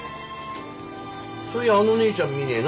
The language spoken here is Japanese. そういやあの姉ちゃん見ねえな。